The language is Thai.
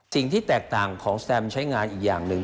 สิ่งที่แตกต่างของแซมใช้งานอีกอย่างหนึ่ง